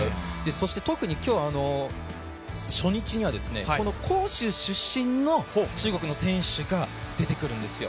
そして特に今日、初日には杭州出身の中国の選手が出てくるんですよ。